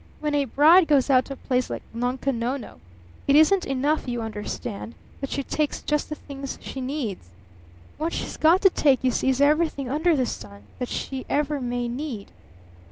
"When a bride goes out to a place like Nunko Nono, it isn't enough, you understand, that she takes just the things she needs. What she's got to take, you see, is everything under the sun that she ever may need!"